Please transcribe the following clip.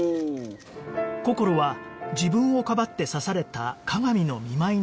こころは自分をかばって刺された加賀美の見舞いに訪れた